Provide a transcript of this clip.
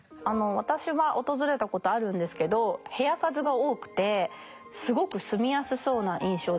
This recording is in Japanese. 私は訪れたことあるんですけど部屋数が多くてすごく住みやすそうな印象です。